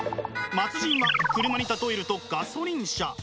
末人は車に例えるとガソリン車。